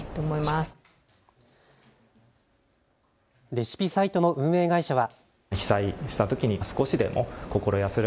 レシピサイトの運営会社は。